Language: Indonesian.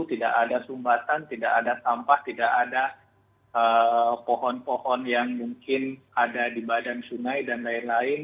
tidak ada sumbatan tidak ada sampah tidak ada pohon pohon yang mungkin ada di badan sungai dan lain lain